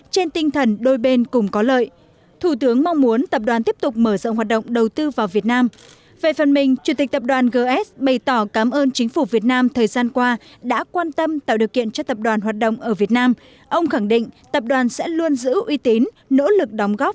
chủ tịch tập đoàn gs bày tỏ mong muốn chính phủ việt nam quan tâm tạo điều kiện để các dự án mà tập đoàn đầu tư được triển khai thuận lợi